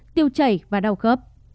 tiêu chảy và đau khớp